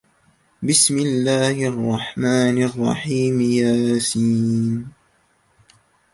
بسم الله الرحمن الرحيم يس